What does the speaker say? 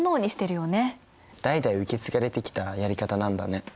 代々受け継がれてきたやり方なんだね。